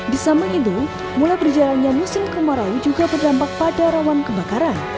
di samping itu mulai berjalannya musim kemarau juga berdampak pada rawan kebakaran